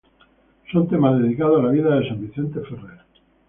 Son temas dedicados a la vida de San Vicente Ferrer.